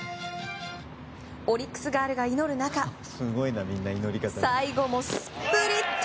オリックスガールが祈る中最後もスプリット。